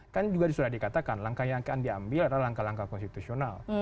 kan juga sudah dikatakan langkah yang akan diambil adalah langkah langkah konstitusional